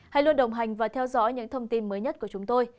hãy luôn đồng hành và theo dõi những thông tin mới nhất của chúng tôi